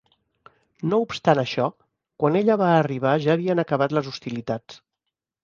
No obstant això, quan ella va arribar ja havien acabat les hostilitats.